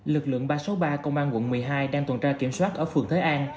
lực lượng ba trăm sáu mươi ba công an quận một mươi hai đang tuần tra kiểm soát ở phường thới an